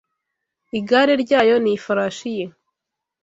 igare ryayo, nifarashi ye